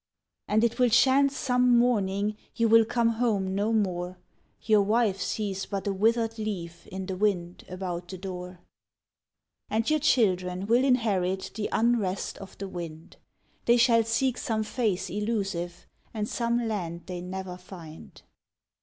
And it will chance some morning You will come home no more, Your wife sees but a withered leaf In the wind about the door. And your children will inherit The unrest of the wind, They shall seek some face elusive. And some land they never find.